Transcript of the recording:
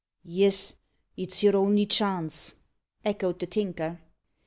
"Yes, it's your only chance," echoed the Tinker.